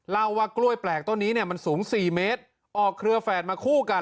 เล่าว่ากล้วยแปลกต้นนี้เนี่ยมันสูง๔เมตรออกเครือแฝดมาคู่กัน